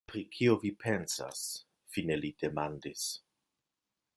Pri kio vi pensas? fine li demandis.